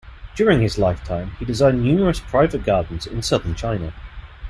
During his lifetime, he designed numerous private gardens in Southern China.